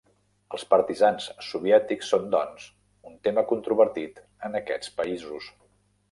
Els partisans soviètics són, doncs, un tema controvertit en aquests països.